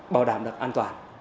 bảo đảm đặc an toàn